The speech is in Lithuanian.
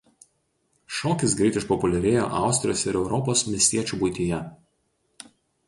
Šokis greit išpopuliarėjo Austrijos ir Europos miestiečių buityje.